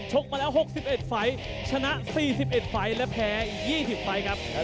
มาแล้ว๖๑ไฟล์ชนะ๔๑ไฟล์และแพ้๒๐ไฟล์ครับ